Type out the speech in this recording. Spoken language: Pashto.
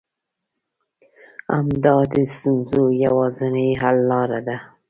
همدا د ستونزو يوازنۍ حل لاره ده.